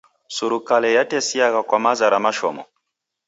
Surukale yatesiagha kwa maza ra mashomo.